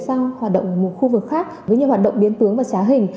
chuyển sang hoạt động một khu vực khác với những hoạt động biến tướng và trá hình